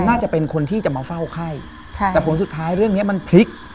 น่าจะเป็นคนที่จะมาเฝ้าไข้ใช่แต่ผลสุดท้ายเรื่องเนี้ยมันพลิก